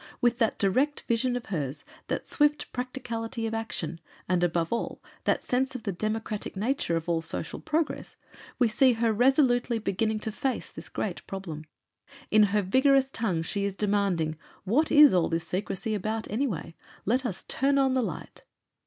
With that direct vision of hers, that swift practicality of action, and above all, that sense of the democratic nature of all social progress, we see her resolutely beginning to face this great problem. In her vigorous tongue she is demanding "What is all this secrecy about, anyway? Let us turn on the Light!"